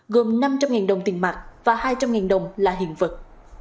gồm năm trăm linh đồng tiền mặt và hai trăm linh đồng là hiện vật